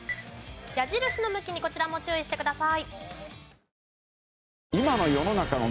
矢印の向きにこちらも注意してください。